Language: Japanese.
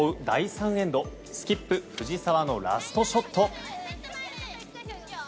第３エンドスキップ、藤澤のラストショット。